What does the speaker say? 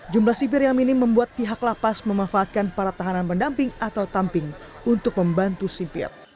jumlah sipir yang minim membuat pihak lapas memanfaatkan para tahanan pendamping atau tamping untuk membantu sipir